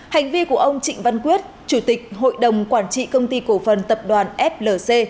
hành vi của ông trịnh văn quyết chủ tịch hội đồng quản trị công ty cổ phần tập đoàn flc